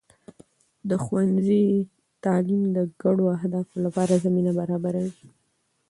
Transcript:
د ښوونځي تعلیم د ګډو اهدافو لپاره زمینه برابروي.